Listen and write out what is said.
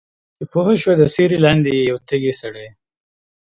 چې پوهه شوه د سیوری لاندې یې یو تږی سړی